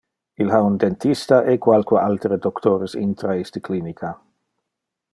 Il ha un dentista e qualque altere doctores intra iste clinica.